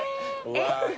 えっ？